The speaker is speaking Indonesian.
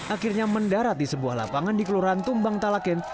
akhirnya mendarat di sebuah lapangan di kelurahan tumbang talaken